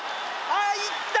ああいった！